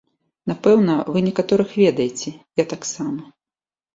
Напэўна, вы некаторых ведаеце, я таксама.